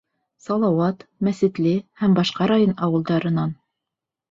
Салауат, Мәсетле һәм башҡа район ауылдарынан.